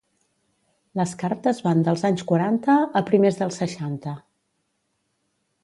Les cartes van dels anys quaranta a primers dels seixanta.